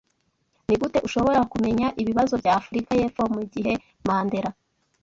Nigute ushobora kumenya ibibazo bya Afrika yepfo mugihe Mandela '